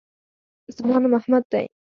زما نوم احمد دی